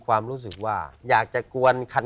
เก็บเงินซื้อพระองค์เนี่ยเก็บเงินซื้อพระองค์เนี่ย